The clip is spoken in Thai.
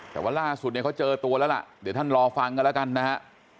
แต่ว่าล่าสุดเนี่ยเขาเจอตัวแล้วล่ะเดี๋ยวท่านรอฟังกันแล้วกันนะฮะ